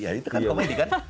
ya itu kan komedi kan